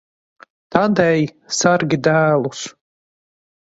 Tad ej, sargi dēlus.